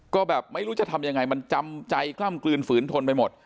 ก็แบบไม่รู้จะทำยังไงมันจำใจกล้ำกลืนฝืนทนไปหมด